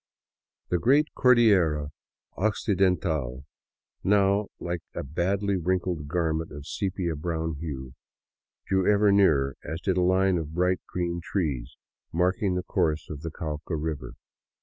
The great Cordillera Occidental, now like a badly wrinkled garment of sepia brown hue, drew ever nearer, as did a line of bright green trees marking the course of the Cauca river.